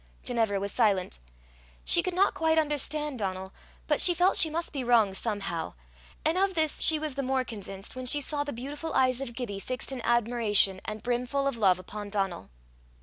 Ginevra was silent. She could not quite understand Donal, but she felt she must be wrong somehow; and of this she was the more convinced when she saw the beautiful eyes of Gibbie fixed in admiration, and brimful of love, upon Donal.